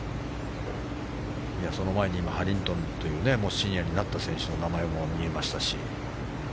その前にハリントンというシニアになった選手の名前も見えましたし。